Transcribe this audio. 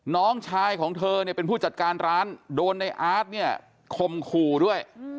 น้องชายของเธอเนี่ยเป็นผู้จัดการร้านโดนในอาร์ตเนี่ยคมขู่ด้วย